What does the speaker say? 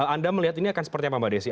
anda melihat ini akan seperti apa mbak desi